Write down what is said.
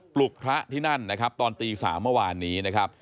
ลุกพระที่นั่นนะครับตอนตี๓เมื่อวานนี้นะครับ